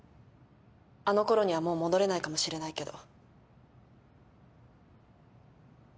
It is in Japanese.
あのころにはもう戻れないかもしれないけど。